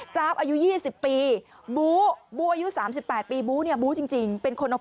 จ๊บอายุ๒๐ปีบูบู้อายุ๓๘ปีบู้เนี่ยบู้จริงเป็นคนเอา